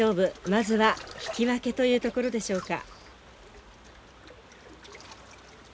まずは引き分けというところでしょうか。